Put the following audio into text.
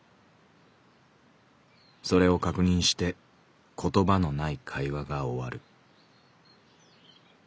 それを確認して言葉のない会話が終わる」。